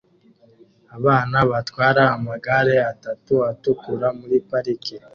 Abana batwara amagare atatu atukura muri parike